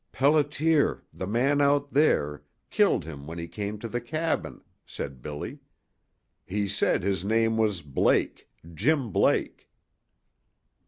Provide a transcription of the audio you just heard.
"Pelliter the man out there killed him when he came to the cabin," said Billy. "He said his name was Blake Jim Blake."